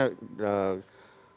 karena harus ada perubahan